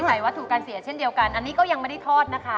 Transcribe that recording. ใส่วัตถุการเสียเช่นเดียวกันอันนี้ก็ยังไม่ได้ทอดนะคะ